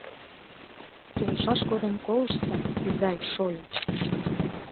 Толшаш годым Колыштса, изай-шольо!